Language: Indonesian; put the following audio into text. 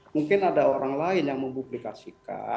mungkin ada orang lain yang mempublikasikan